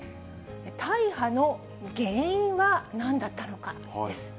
大破の原因はなんだったのかです。